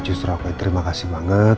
justru aku terima kasih banget